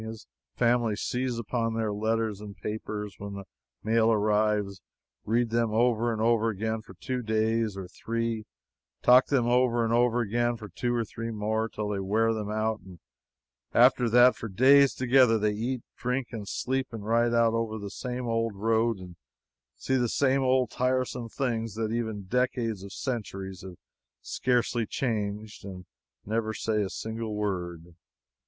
His family seize upon their letters and papers when the mail arrives, read them over and over again for two days or three, talk them over and over again for two or three more till they wear them out, and after that for days together they eat and drink and sleep, and ride out over the same old road, and see the same old tiresome things that even decades of centuries have scarcely changed, and say never a single word!